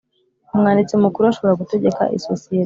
Umwanditsi Mukuru ashobora gutegeka isosiyete